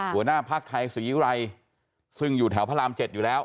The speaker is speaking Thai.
หัวหน้าภักดิ์ไทยศรีไรซึ่งอยู่แถวพระราม๗อยู่แล้ว